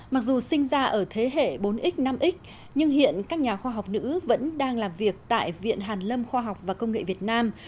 mặc dù sinh ra ở thế hệ bốn x năm x nhưng hiện các nhà khoa học nữ vẫn đang làm việc tại viện hàn lâm khoa học và công nghệ việt nam